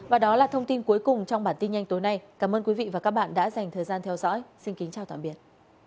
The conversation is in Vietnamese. và đó là thông tin cuối cùng trong bản tin nhanh tối nay cảm ơn quý vị và các bạn đã dành thời gian theo dõi xin kính chào tạm biệt